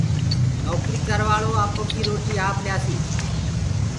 نوڪري ڪروآݪو آپو ڪيِ روٽيِ آپ ڪيآسي۔